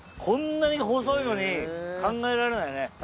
こんなに細いのに考えられないね。